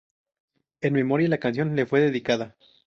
En memoria, la canción le fue dedicada.